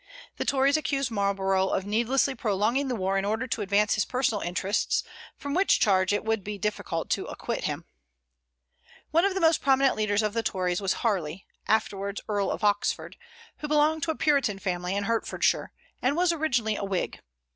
The Tories accused Marlborough of needlessly prolonging the war in order to advance his personal interests, from which charge it would be difficult to acquit him. One of the most prominent leaders of the Tories was Harley, afterwards Earl of Oxford, who belonged to a Puritan family in Hertfordshire, and was originally a Whig.